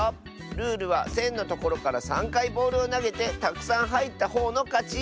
ルールはせんのところから３かいボールをなげてたくさんはいったほうのかち！